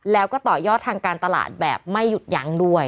แล้วก็ต่อยอดทางการตลาดแบบไม่หยุดยั้งด้วย